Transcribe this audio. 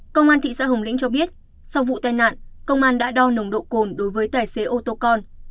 công an thị xã hồng lĩnh cho biết sau vụ tai nạn công an đã đo nồng độ cồn đối với tài xế ô tô con